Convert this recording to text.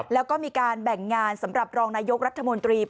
แล้วก็มีการแบ่งงานสำหรับรองนายกรัฐมนตรี